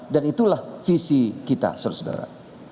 dan itulah visi kita saudara saudara